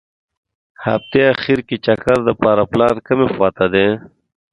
هغتې اخیر کې چکر دپاره پلان کومې خوا ته دي.